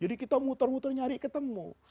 jadi kita muter muter nyari ketemu